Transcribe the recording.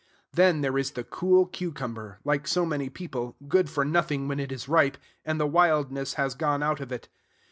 Then there is the cool cucumber, like so many people, good for nothing when it is ripe and the wildness has gone out of it.